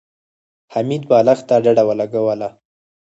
حميد بالښت ته ډډه ولګوله.